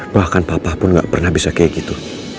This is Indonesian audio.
bahkan papa pun nggak pernah bisa kayak gitu